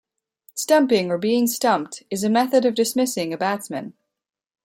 "Stumping" or "being stumped" is a method of dismissing a batsman.